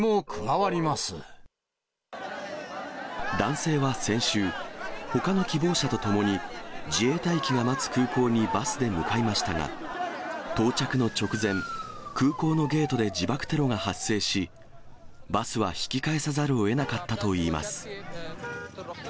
男性は先週、ほかの希望者と共に、自衛隊機が待つ空港にバスで向かいましたが、到着の直前、空港のゲートで自爆テロが発生し、バスは引き返さざるをえなかったといいます。